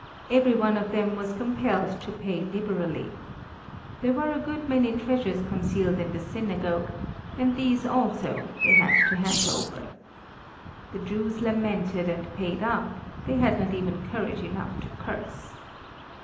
Every one of them was compelled to pay liberally. There were a good many treasures concealed in the synagogue, and these also they had to hand over. The Jews lamented and paid up; they had not even courage enough to curse.